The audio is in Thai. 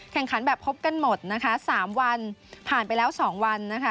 แข่งขันแบบครบกันหมด๓วันผ่านไปแล้ว๒วัน